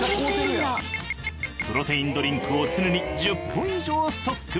プロテインドリンクを常に１０本以上ストック。